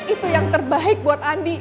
itu yang terbaik buat andi